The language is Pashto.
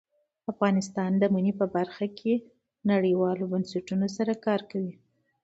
افغانستان د منی په برخه کې نړیوالو بنسټونو سره کار کوي.